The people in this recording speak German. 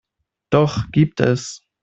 Doch gibt es.